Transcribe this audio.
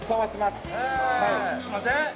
すいません